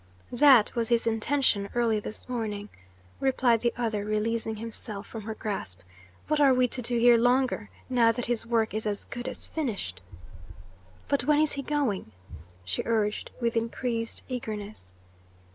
"That was his intention early this morning," replied the other, releasing himself from her grasp. "What are we to do here longer, now that his work is as good as finished?" "But when is he going?" she urged with increased eagerness.